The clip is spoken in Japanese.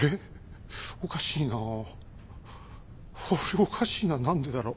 おかしいな何でだろう。